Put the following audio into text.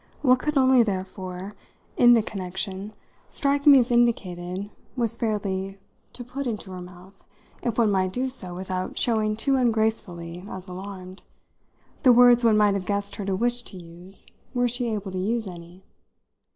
What could only, therefore, in the connection, strike me as indicated was fairly to put into her mouth if one might do so without showing too ungracefully as alarmed the words one might have guessed her to wish to use were she able to use any.